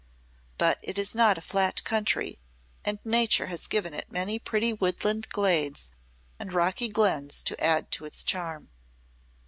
But it is not a flat country, and Nature has given it many pretty woodland glades and rocky glens to add to its charm.